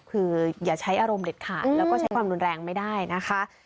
คืออย่าใช้อารมณ์เด็ดขาดแล้วก็ใช้ความรุนแรงไม่ได้นะคะ